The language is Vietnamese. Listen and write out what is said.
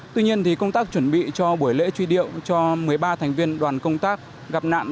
tuy nhiên công tác chuẩn bị cho buổi lễ truy điệu cho một mươi ba thành viên đoàn công tác gặp nạn